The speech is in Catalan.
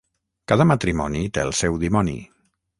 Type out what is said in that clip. Cada matrimoni té el seu dimoni.